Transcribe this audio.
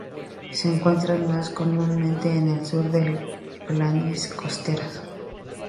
Se encuentra más comúnmente en el sur de la planicie costera.